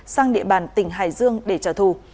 sang địa bàn tỉnh hải dương để trả thù